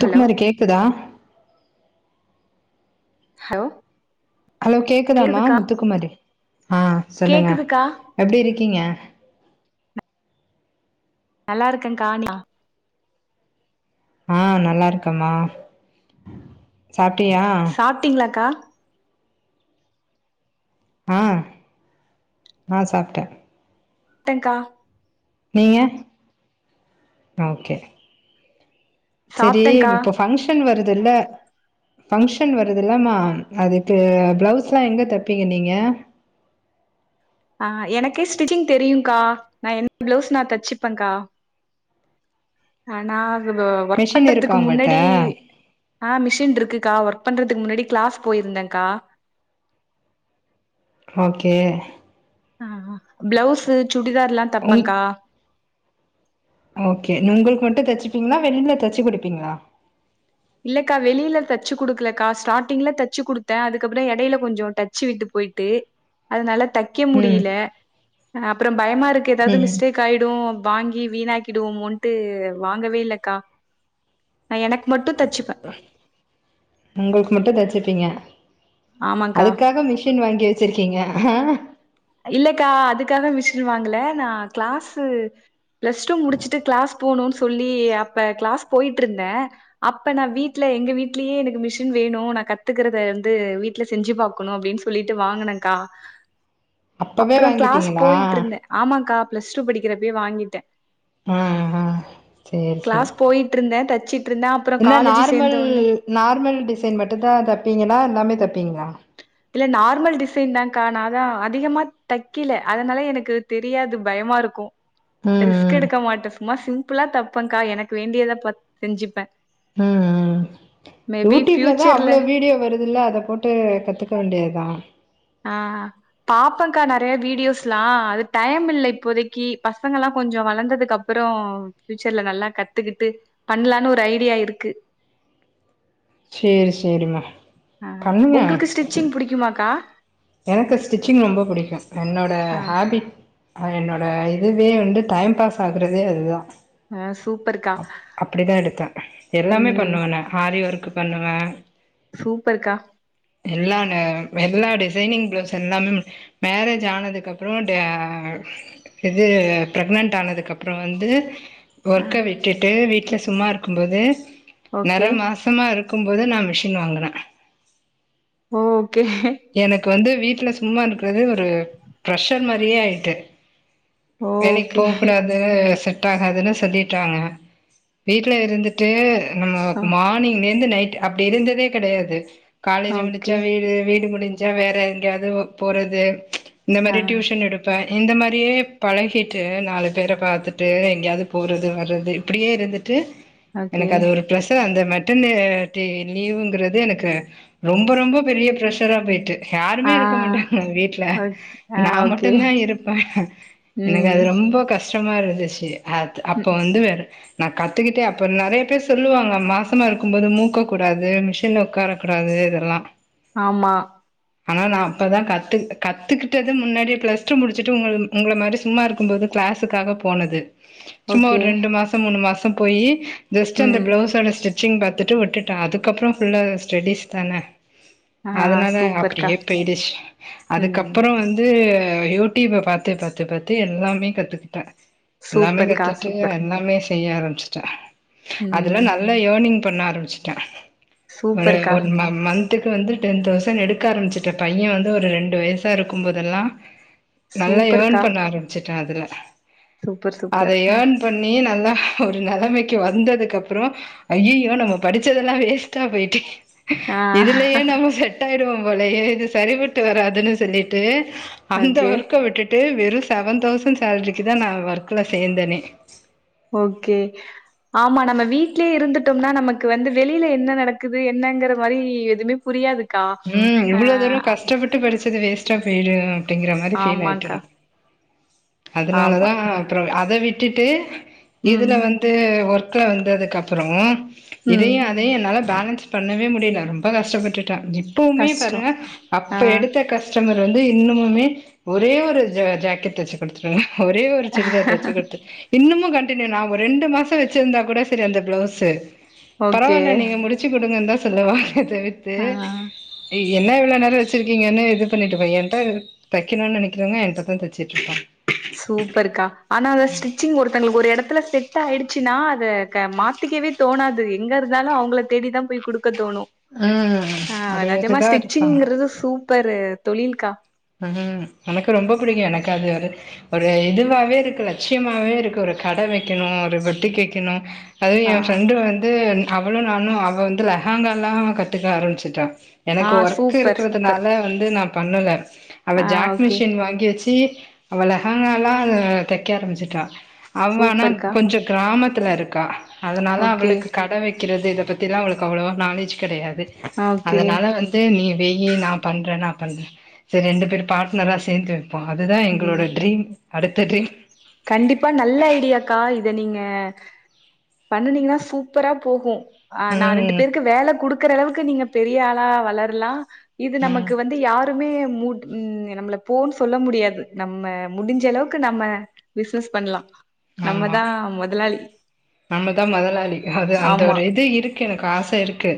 Hello கேக்குதா hello கேக்குதுக்கா ஆ சொல்லுங்க கேக்குதுக்கா எப்டி இருக்கீங்க நல்லா இருக்கேங்க்கா நியா ஆ நல்லா இருக்கம்மா சாப்ட்டியா சாப்ட்டிங்களாக்கா ஆ ஆ சாப்ட்டே ட்டங்கா நீங்க ஓகே செரி சாப்ட்டேன்கா இப்ப பங்க்ஷன் வருதுல்ல ஃபங்க்ஷன் வருதுல்லம்மா அதுக்கு ப்ளவுஸ்லா எங்க தப்பிங்க நீங்க ஆ எனக்கே ஸ்டிச்சிங் தெரியுங்கா நா என் ப்ளவுஸ் நா தச்சுப்பங்கா ஆ நா இது ஒர்க் மிஷின் இருக்கா பண்றதுக்கு உங்கள்ட்ட முன்னாடி ஆ மிஷின் இருக்குக்கா ஒர்க் பண்றதுக்கு முன்னாடி கிளாஸ் போயிருந்தேங்கா ஓகே ஆ பிளவுஸ் சுடிதார்ல்லா உங் தப்பங்கா ஓகே நீ உங்களுக்கு மட்டும் தச்சுப்பீங்களா வெளில தச்சு குடுப்பீங்களா இல்லக்கா வெளில தச்சு குடுக்கலக்கா ஸ்டார்டிங்ல தச்சு குடுத்தே அதுக்கப்றோ எடைல கொஞ்சோ டச்சு விட்டு போய்ட்டு அதுனால தைக்க ம் முடியல அப்றோ பயமா இருக்கு ஏதாவது ம் மிஸ்டேக் க்காயிடும் வாங்கி வீணாக்கிடுவோமோன்ட்டு வாங்கவே இல்லக்கா நா எனக்கு மட்டும் தச் உங்களுக்கு மட்டும் தச்சுப்பீங்க ஆமாக்கா அதுக்காக மிஷின் வாங்கி வ வச்சிருக்கீங்க ஹா இல்லக்கா அதுக்காக மிஷின் வாங்கள நா கிளாஸ்சு பிளஸ் டூ முடிச்சுட்டு கிளாஸ் போணுன்னு சொல்லி அப்ப கிளாஸ் போயிட்டு இருந்தே அப்ப நா வீட்ல எங்க வீட்லயே எனக்கு மிஷின் வேணும் நா கத்துக்கறத வந்து வீட் ல்ல செஞ்சு பாக்கணும் அப்டின்னு சொல்லிட்டு வாங்கினக்கா அப்பவே அப்றோ கிளாஸ் வாங்கிட்டீங்களா போயிட்டு இருந்தே ஆமாக்கா பிளஸ் டூ படிக்கிறப்பயே வாங்கிட்டே ஆ ஆ சேரி கிளாஸ் சேரி போயி ட்டு இருந்தே தச்சிட்டு இருந்தே அ என்ன நார்மல் நார்மல் டிசைன் மட்டுந்தா தப்பீங்களா எல்லாமே தப்பீங்களா இல்ல நார்மல் டிசைன் தாக்கா நா அதா அதிகமா தக்கல அதனால எனக்கு தெரியாது பயமா இருக்கும் ம் ரிஸ்க் ம் எடுக்க மாட்டே சும்மா சிம்பிளா தப்பன்கா எனக்கு வேண்டியத ப செஞ்சுப்பே ம் ம் மேபி யூடியூப்ல தா ஃபியூச்சர்ல அவ்வளோ வீடியோ வருதுல்ல அத போட் ட்டு கத்துக்க வேண்டியதா ஆ பாப்பங்கா நறைய வீடியோஸ்ல்லா அது டைம் இல்ல இப்போதைக்கு பசங்க எல்லாம் கொஞ்சோ வளந்ததுக்கு அப் ப்றோ ஃபியூச்சர்ல நல்லா கத்துக்கிட்டு பண்ணலான்னு ஒரு ஐடியா இருக்கு சேரி சேரிமா ஆ உங்களுக்கு ஸ்டிச்சிங் புடிக்குமாக்கா எனக்கு ஸ்டிச்சிங் ரொம்ப பிடிக்கும் என்னோட ஆ ஹேபிட் ஹ என்னோட இதுவே வந்து டைம் பாஸ் ஆகுறதே அதுதா ஆ சூப்பர்க்கா அப் அப்டிதா எடுப்பே எல்லாமே ம் பண்ணுவே நா ஹாரி ஒர்க் பண்ணுவே சூப்பர்க்கா எல்லா நே எல்லா டிஸ் ட்ரைனிங் ப்ளவுஸ் எல்லாமே மேரேஜ் ஆனதுக்கு அப்றோ டே இது பிரெக்னன்ட் ஆனதுக்கு அப்றோ வந்து ஆ ஒர்க்க விட்டுட்டு வீட்டுல சும்மா இருக்கும்போது ஓகே நெர மாச சம்மா இருக்கும்போது நா மிஷின் வாங்குனே ஓகே எனக்கு வந்து வீட்ல சும்மான்ருக்கிறது ஒரு ப்ரெஷர் மாரியே ஆயிட்டு வேலிக் ஓகே போக்கூடாது செட் ஆகாதுனு சொல்லிட்டாங்க வீட்ல இருந்து ட்டு நம்ம ஆ மானிங்லெந்து நைட் அப்டி இருந்ததே கெடையாது காலேஜு ஓகே. முடிச்சா வீடு வீடு முடிஞ்சா வேற எங்கேயாவ்து போறது இந்த ஆ மாரி ட்யூஷன் எடுப் பே இந்த மாரியே பழகிட்டு நாலு பேர பாத்துட்டு எங்கேயாவ்து போறது வர்றது இப்படியே இருந்து ட்டு ஓகே. எனக்கு அது ஒரு ப்ரெஷர் அந்த மெட்டனிட்டி லீவுங்கிறது எனக்கு ரொம்ப ரொம்ப பெரிய ப்ரெஷ் ரா போய்ட்டு யாருமே ஆ இருக்க மாட்டாங்க வீட்ல ஓக் ஆ நா ஓகே. மட்டுந்தா இருப்பே எனக்கு அது ம். ரொம்போ கஷ்டமா இருந்துச்சு அத் அப்ப ம். வந்து வேற நா கத்துக்கிட்டு அப்புற நறைய பேரு சொல்லுவாங்க மாசமா இருக்கும் போது மூக்க கூடாது மிஷின்ல உக்கார கூடாது இதெல்லா ஆமா ஆனா நா அப்பதா கத்து கத்துக்கிட்டது முன்னாடி ப்ளஸ் டூ முடிச்சுட்டு உங்க உங்கள மாரி சும்மா இருக்கும் போது க்ளாஸுக்காக போனது சும்மா ஓகே. ஒரு ரெண்டு மாசோ மூணு மாசோ போயி ஜஸ்ட் அந்த ம். ப்ளவுஸோட ஸ்டி ச்சிங் பாத்துட்டு விட்டுட்டே அதுக்கப்புறோ ஃபுல்லா ஸ்டெடிஸ் தான ஆ அதனால சூப்பர்க்கா. அப்படியே போயிடுச் ம். அதுக்கப்புறோ வந் து யூடியூப பாத்து பாத்து பாத்து எல்லாமே கத்துக்கிட்டே எல்லாமே சூப்பர்க்கா, கத்துட்டு சூப்பர். எல்லாமே செய்ய ஆரம்பிச்சுட்டே அதுல ம். நல்லா யேனிங் பண்ண ஆரம்பிச்சுட்டே ஒரு சூப்பர்க்கா, ஒரு ம மந்த்துக்கு வந்து டென் தௌசண் எடுக்க ஆரம்பிச்சட்டே பையே வந்து ஒரு ரெண்டு வய்சா இருக்கும்போதெல்லா நல்லா யேன் சூப்பர்க்கா. பண்ண ஆரம்பிச்சுட்டே அதுல சூப்பர், அத சூப்பர். யேன் பண்ணி நல்லா ஒரு நெலமைக்கு வந்ததுக்கப்புறோ ஐயையோ நம்ம படிச்சதெல்லா வேஸ்ட்டா போய்டே ஆ இதுலயே நம்ம செட் ஆய்டுவோ போலயே இது சரிபட்டு வராதுனு சொல்லிட்டு அந்த ஓகே. ஒர்க்க விட்டுட்டு வெறு செவன் தௌசண் சால்ரிக்குதா நா ஒர்க்குல சேந்தனே ஓகே ஆமா நம்ம வீட்லே இருந்துட்டோம்னா நமக்கு வந்து வெளில என்ன நடக்குது என்னங்கிற மாரி எதுமே புரியாதுக்கா ஆ ட்டு படிச்சது வேஸ்டா போயிடு அப்படிங்கற மாரி பீல் ஆய்ட்டு ஆமாங்க்கா. எனக்கு ஆமா. அதனாலதா அப்புறோ அத விட்டுட்டு ம். இதுல வந் து ஒர்க்க வந்ததுக்கு அப்புறோ ம். இதையு அதையு என்னால பேலன்ஸ் பண்ணவே முடில ரொம்ப கஷ்டப்பட்டுடே ஜிப் இப்பவுமே கஷ்டம். பாருங்க அப்ப எடுத்த கஷ் டமர் வந்து இன்னமுமே ஒரே ஒரு ஜ ஜாக்கெட் தெச்சு குட்த்ருங்க ஒரே ஒரு சுடிதார் ஆ. தெச்சு குத்துரு இன்னமு கண்டினியூ நா ஒரு ரெண்டு மாசோ வெச்சிருந்தா கூட செரி அந்த ப்ளவுஸு ஓகே. பரவால்ல நீங்க முடிச் தெச்சு குடுங்கன்தா சொல்லுவாங்க தவிர்த்து ஆ. எ என்ன இவ்ளோ நேரோ வெச்சிருக்கீங்கன்னு இது பண்ணிட்டு [unintelligible] தெக்கணுன் நெனைகிறவங்க என்கிட்டதா தெச்சிட்ருப்பாங்க சூப்பருக்கா ஆனா அந்த ஸ்டிச்சிங் ஒருத்தங்களுக்கு ஒரு எடத்துல செட் ஆயிடுச்சுன்னா அத க மாத்திக்கிவே தோணாது எங்க இருந்தாலு அவங்கள தேடி தா போய் குடுக் க்க தோணு ம் ஆ நெஜமா அதேதா இருப்பாங்க ஸ்டிச்சிங்றது சூப்பரு தொழில்கா ம் எனக்கு ரொம்ப புடிக்கு எனக்கு அது அது ஒரு இதுவாவே இருக்கு லட்சியமாவே இருக்கு ஒரு கட வைக்கணு ஒரு பொட்டிக் வைக்கணு அது ஏ ஆ. ஃப்ரெண்டு வந்து அவளு நானு அவ வந்து லெகங்காலா கத்துக்க ஆரம்பிச்சிட்டா ஆ எனக்கு ஒர்க்கு சூப்பர், சூப்பர். இருக்குறதுனால வந்து நா பண்ணுல அவ ஆ ஜாக் ஓகே. மிஷின் வாங்கி வச்சி அவ லெகாங்கலா அ தெக்க ஆரம்ச்சிட்டா அவே ஆனா சூப்பர்க்கா. கொஞ்சோ கிராமத்துல இருக்கா அதனால ஓகே, அவளுக்கு கட வெக் கிறது இத பத்திலா அவளுக்கு அவ்ளோவா நாலேஜ் கெடையாது ஓகே. அதனால வந் து நீ வெய்யி நா பண்றே நா பண்ற செரி ரெண்டு பேர் பார்ட்னரா சேந்து வெப்போ அதுதா எங்களோட ம். ட்ரீம் அடுத்த ட்ரீம் கண்டிப்பா நல்ல ஐடியாக்கா இத நீங்க பண்ணுனீங்கனா சூப்பரா போகு ஆ நா ரெண்டு ம் பேருக்கு வேல குடுக்குற அளவுக்கு நீங்க பெரிய ஆளா வளர்லா இது ம் நமக்கு வந்து யார் டுமே முட் ம் நம்மள போன் சொல்ல முடியாது நம்ம முடிஞ்சளவுக்கு நம்ம பிஷ்னஸ் பண்லா நம்ம ஆமா தா மொதலாளி நம்ம தா மொதலாளி அது அந்த ஒரு இது இருக்கு எனக்கு ஆச இருக்கு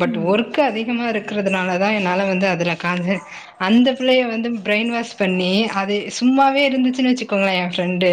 பட்டு ம் ஒர்க்கு அதிகமா இருக்றதுனாலதா என்னால வந்து அதுல கான்செ அந்த புள்ளைய வந்து பிரைன் வாஷ் பண்ணி அது சும்மாவே இருந்துச்சுன் வச்சுக்கோங்க ஏ ஃப்ரெண்டு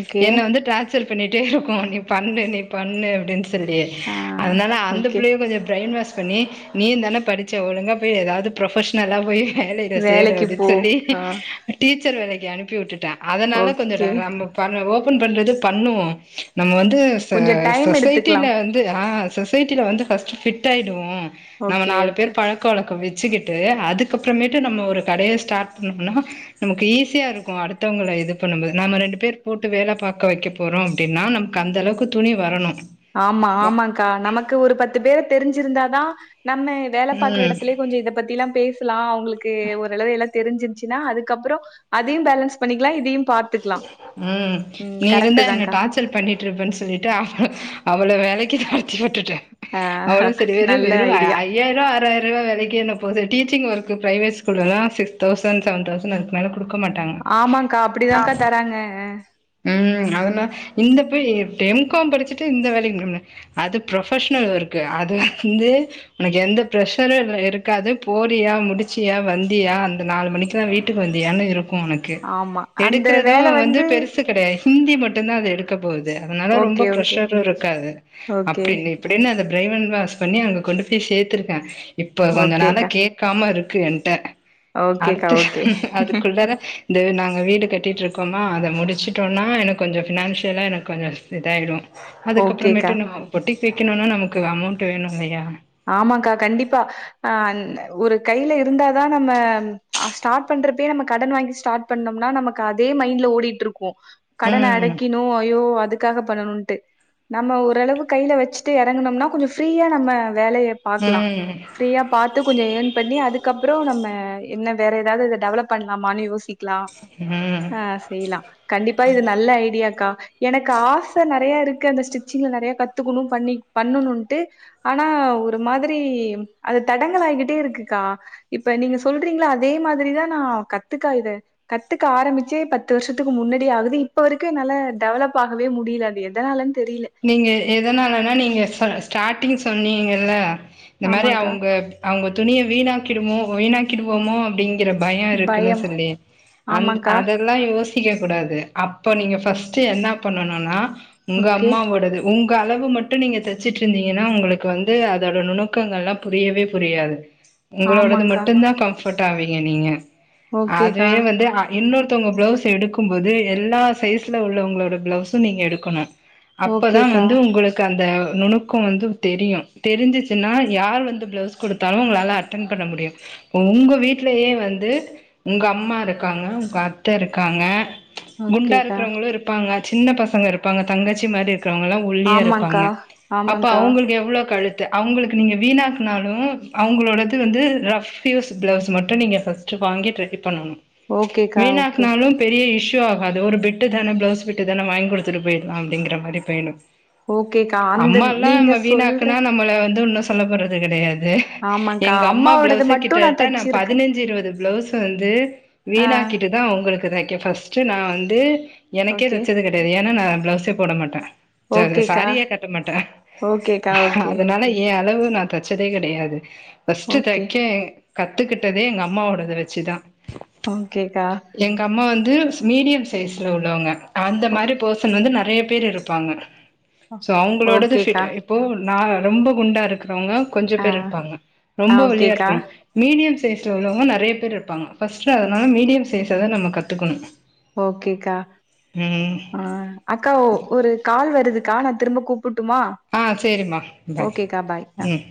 ஓகே என்ன வந்து டிராச்சர் பண்ணிட்டேருக்கு நீ பண்ணு நீ பண்ணு அப்டின் சொல்லி ஆ அதனால அந்த ஓகே புள்ளைய கொஞ்சோ பிரைன் வாஷ் பண்ணி நீயுந்தான படிச்ச ஒழுங்கா போய் எதாவது ப்ரொஃபஷ்னலா போய் வேலைல சேரு வேலைக்கு அப்டின் போ சொல்லி ஆ டீச்சர் வேலைக்கி அனுப்பி உட்டுட்டே அதனால கொஞ்சோ ர ஓகே ராம் பண்ணு ஓப்பன் பண்றது பண்ணுவோ நம்ம வந்து ச கொஞ்ச டைம் எடுத்துக்கலா சொசைட்டில வந் ந்து ஆ சொசைட்டில வந்து ஃபஸ்ட்டு ஃபிட்டாய்டுவோ நம்ம ஓகே நாலு ஓகே பேர் பழக் க்கவழக்கோ வச்சுக்கிட்டு அதுக்கப்றமேட்டு நம்ம ஒரு கடைய ஸ்டார்ட் பண்ணோனா நமக்கு ஈஸியாருக்கு அடுத்தவங்கள இது பண்ணும்போது நம்ம ரெண்டு பேர் போட்டு வேல பாக்க வைக்க போறோ அப்டின்னா நம் கு அந்தளவுக்கு துணி வரணு ஆமா ஆமாங் கா நமக்கு ஒரு பத்து பேர தெரிஞ்சிருந்தாதா நம்ம வேல பாக்குற ம் எடத்துலயு கொஞ்சோ இத பத்திலா பேசுலா அவங்களுக்கு ஓரளவு எல்லா தெரிஞ்சிருச்சுனா அதுக்கப்றோ அதையு பேலன்ஸ் பண்ணிக்கலா இதையு பாத் ம் நீ இருந்தா என்ன தான்க்கா. டார்ச்சல் பண்ணி ட்ருப்பன் சொல்லிட்டு அவ அவள வேலைக்கு தொரத்தி உட்டுட்டே ஆ அவளு செரி வெறு நல்ல வெறு ஐ ஐடியா. யாயிருவா ஆறாயிர்ருவா வேலைக்கி என்ன போது டீச்சிங் ஒர்க்கு பிரைவேட் ஸ்கூல்லலா சிக்ஸ் தௌசன் செவன் தௌசன் இரு மேல குடுக்க மாட்டாங்க கா அப்டிதாங் க்கா தராங்க ஆ ம் அதனா இந்த பே எம் காம் படிச்சிட்டு இந்த வேலை [inaudible] அது ப்ரொஃபஷ்னல் ஒர்க்கு அது வந்து ஒனக்கு எந்த பிர்ஷரு இதுல இருக்காது போறியா முடிச்சியா வந்தியா அந்த நாலு மணிக்குலா வீட் டுக்கு வந்தியான்னு இருக்கு உனக்கு ஆமா. அந்த எடுக்குறது வேல வந்து பெருஸ் சு கெடையா ஹிந்தி மட்டுந்தா அது எடுக்க போது அதனால ரொம்ப ஓகே, ஓகே. ப்ரஷருருக்காது ஓகே. அப்டின்னு அப்டின்னு அத பிரைவன் வாஷ் பண்ணி அங்க கொண்டு போய் சேத்துருக்கே இப்ப கொஞ்ச நாளா ஓகேக்கா. கே காம இருக்கு என்ட்ட ஓகேக்கா, அடுத்து ஓகே. அதுக்குள்ளார இந்த நாங்க வீடு கட்டிட்ருக்கோமா அத முடிச் வச்சுட்டோன்னா எனக்கு கொஞ்சோ ஃபினான்ஷியலாக எனக்கு கொஞ்சோ இதாடும் ஓகேக்கா. அதுக்கப்புறமேட்டு நம்ம பொட்டிக் வைக்கணுன்னா நமக்கு அமௌண்ட் வேணுல்லையா ஆமாங்கா கண்டிப்பா ஆ ஒரு கைல இருந்தாதான் நம்ம ஸ்டார்ட் பண்றப்பைபே நம்ம கடன் வாங்கி ஸ்டார்ட் பண்ணம்னா நமக்கு அதே மைண்ட்ல ஓடிட்டு இருக்கும் கடனை ம் அடைக்கினும் ஐயோ அதுக்கு பண்ணணும் நம்ம ஓரளவு கைல வச்சுட்டு இறங்கணும்னா கொஞ்சம் ஃபிரியா நம்ம வேலையை பாக்கலாம் ம் ஃப்ரியா பாத்து கொஞ்சம் ஏர்ன் பண்ணி அதுக்கப்புறம் நம்ம என்ன வேற ஏதாவது இத டெவலப் பண்ணலாமான்னு யோசி லாம் ம் ஆ செய்யலாம் கண்டிப்பா இது நல்ல ஐடியாக்கா எனக்கு ஆச நிறைய இருக்கு அந்த ஸ்டிச்சிங்ல நிறைய கத்துக்கணும் பண்ணி பண்ணணும்ட்டு ஆனா ஆனா ஒரு மாதிரி அது தடங்கள் ஆகிட்டே இருக்குக்கா இப்ப நீங்க சொல்றீங்களா அதே மாதிரிதான் நான் கத்துக்கா இத கத்துக்க ஆரம்பிச்சே பத்து வருஷத்துக்கு முன்னாடி ஆகுது இப்ப வரைக்கும் என்னால டெவலப் ஆகவே முடியல அது எதனால நீங்க எதனாலன்னா நீங்க ஸ்டார்டிங் சொன்னீங்கல்ல இந்த மாதிரி ஆமாக்கா அவங்க அவங்க துணியை வீணாக்கிடுமோ வீணாக்கிடுவோமோ அப்படி பயம் இருக்குன்னு சொல்லி அந்த ஆமாக்கா அத ல்லாம் யோசிக்க கூடாது அப்ப நீங்க ஃபஸ்ட்டு என்ன பண்ணும்னா உங்க ஓகே போது உங்க அளவு மட்டும் நீங்க தச்சுட்டு இருந்தீங்கன்னா உங்களுக்கு வந்து அதோட நுணுக்கங்கள்ல்லாம் புரியவே புரியாது உங்களோடது ஆமாக்கா மட்டும் தான் கம்ஃபர்ட் ஆவீங்க நீங்க ஓகேக்கா அதுவே வந்து இன்னொருத்தவங்க பிளவுஸ் எடுக்கும் போது எல்லா சைஸ்ல உள்ளவங்களோட பிளவுஸும் நீங்க எடுக்கணும் அப்பதான் ஓகேக்கா வந்து உங்களுக்கு அந்த நுணுக்கம் வந்து தெரியும் தெரிஞ்சுச்சுன்னா யார் வந்து பிளவுஸ் கொடுத்தாலும் உங்களால அ ன் பண்ண முடியும் இப்ப உங்க வீட்டுலயே வந்து உங்க அம்மா இருக்காங்க உங்க அத்த இருக்காங்க குண்டா ஓகேக்கா இருக்கிறவங்களும் இருப்பாங்க சின்ன பசங்க இருப்பாங்க தங்கச்சி மாதிரி இருக்கிறவங்கல்லாம் ஒல்லியா இருப்பாங்க ஆமாக்கா அப்ப ஆமாக்கா அவங்களுக்கு எவ்வளவு கழுத்து அவங்களுக்கு நீங்க வீணாக்கினாலும் அவங்களோடது வந்து ரஃப் யூஸ் ப்ளவுஸ் மட்டும் நீங்க ஃபஸ்ட வாங்கி ட்ரை பண்ணணும் ஓகேக்கா ஓகே வீணாக்குனாலும் பெரிய இஷ்யூ ஆகாது ஒரு பிட்டு தானே பிளவுஸ் பிட்டு தானே வாங்கி கொடுத்துட்டு போயிடலாம் அப்படிங்கிற மாதிரி போயிடும் ஓகேக்கா அந்த அம்மாலா நீங்க நம்ம சொல்ற வீணாக்குன்னா நம்மள வந்து ஓன்னும் சொல்லப்போறது கிடையாது ஆமாக்கா எங்க அம்மா அம்மாவோடது பிளவுஸ மட்டும் கிட்டதட்டா நான் தச்சிருக்கே பதினஞ்சு இருபது பிளவுஸ் வந்து ஆ வீணாக்கிட்டு அவங்களுக்கு தைக்க ஃபஸ்ட்டு நான் வந்து எனக்கே ஓகே தைச்சது கிடையாது ஏன்னா நான் பிளவுஸ்ஸே போட மாட்டேன் ஓகேக்கா சேரியே கட்ட மாட்டேன் ஓகேக்கா ஓகே அதனால என் அளவு நான் தைச்சதே கிடையாது ஃபர்ஸ்ட்டு ஓகே தைக்கேன் கத்துக்கிட்டதே எங்க அம்மாவோடத வெச்சுதான் பொன் கேட்டா எங்க அம்மா வந்து மீடியம் சைஸ்ல உள்ளவங்க அந்த ஓ மாதிரி பெர்சன் வந்து நெறைய பேர் இருப்பாங்க சோ அவங்களோடது செட் ஓகேக்கா இப்போ நான் ரொம்ப குண்டா இருக்கிறவங்க கொஞ்சம் ஆ பேர் இருப்பாங்க ஆ ரொம்ப ஒல்லியா ஓகேக்கா இருக்கிறவங்க மீடியம் சைஸ்ல உள்ளவங்க நிறைய பேர் இருப்பாங்க ஃபர்ஸ்ட்டு அதனால மீடியம் சைஸை தான் நம்ம கத்துக்கணும் ஓகேக்கா ஆ அக்கா ஒரு கால் வருதுக்கா நான் திரும்ப கூப் ட்டுமா ஆ சேரிம்மா பாய் ம்